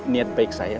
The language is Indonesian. niat baik saya